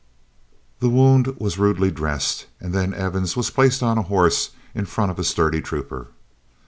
The wound was rudely dressed, and then Evans was placed on a horse in front of a sturdy trooper.